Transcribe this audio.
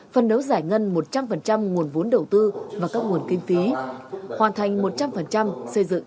hai nghìn hai mươi ba phân đấu giải ngân một trăm linh nguồn vốn đầu tư và các nguồn kinh phí hoàn thành một trăm linh xây dựng